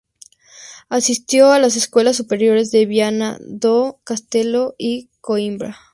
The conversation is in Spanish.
Asistió a las escuelas superiores de Viana do Castelo y Coimbra.